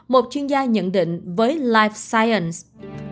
một chuyên gia nhận định với life science